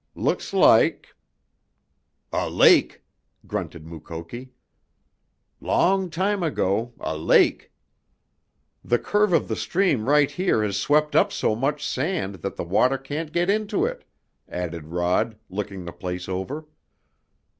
"Looks like " "A lake," grunted Mukoki. "Long time ago a lake." "The curve of the stream right here has swept up so much sand that the water can't get into it," added Rod, looking the place over.